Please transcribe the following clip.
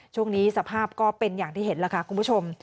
ช่วงนี้สภาพก็เป็นอย่างที่เห็นแล้วค่ะคุณผู้ชม